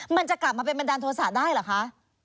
มันจะกลับมาเป็นบันดาลโทษะได้เหรอคะ